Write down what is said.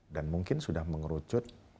dan mungkin sudah mengerucut